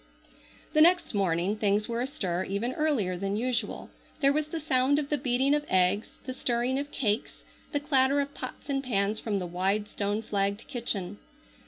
The next morning things were astir even earlier than usual. There was the sound of the beating of eggs, the stirring of cakes, the clatter of pots and pans from the wide, stone flagged kitchen.